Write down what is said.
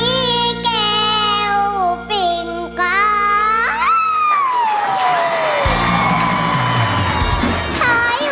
อีแก่ลผู้ปิ้งกล้า